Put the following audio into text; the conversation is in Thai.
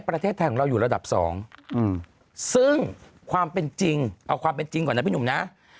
ประเทศไทยของเราอยู่ระดับ๒ซึ่งความเป็นจริงเอาความเป็นจริงก่อนนะพี่หนุ่มนะ